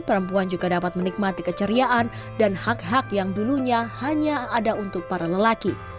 perempuan juga dapat menikmati keceriaan dan hak hak yang dulunya hanya ada untuk para lelaki